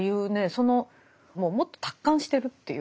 そのもっと達観してるというか。